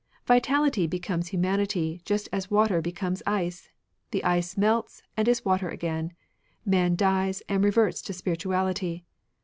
... VitaUty becomes humanity, just as water becomes ice. The ice melts and is water again ; man dies and reverts to spirituaUty.